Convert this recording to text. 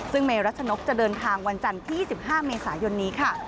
ซึ่งเมรัชนกจะเดินทางวันจันทร์ที่๒๕เมษายนนี้ค่ะ